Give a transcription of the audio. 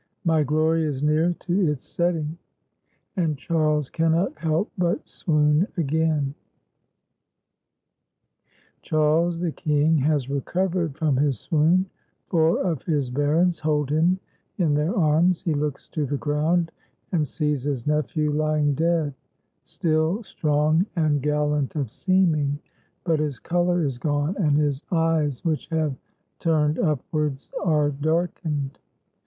My glory is near to its setting." And Charles cannot help but swoon again. Charles the King has recovered from his swoon, four of his barons hold him in their arms; he looks to the ground and sees his nephew lying dead, still strong and gallant of seeming, but his color is gone, and his eyes, which have turned upwards, are darkened.